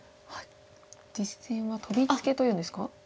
実戦はトビツケというんですか。